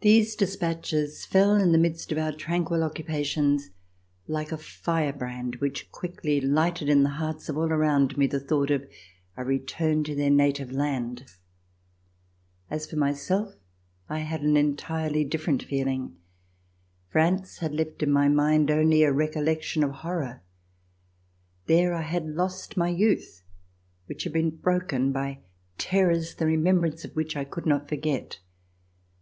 These dispatches fell in the midst of our tranquil occupations like a fire brand which quickly lighted in the hearts of all around me the thought of a return to their native land. As for myself, I had an entirely different feeling. France had left in my mind only a recollection of horror. There I had lost my youth, which had been broken by terrors the remembrance of which I could not forget.